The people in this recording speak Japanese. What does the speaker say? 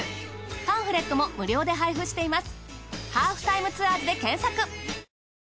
パンフレットも無料で配布しています。